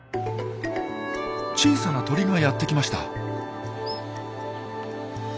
小さな鳥がやってきました。